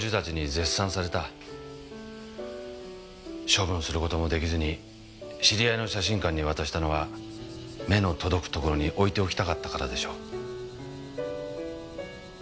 処分する事も出来ずに知り合いの写真館に渡したのは目の届く所に置いておきたかったからでしょう。